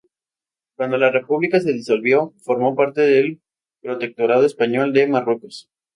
Cuando la república se disolvió, formó parte del protectorado español de Marruecos.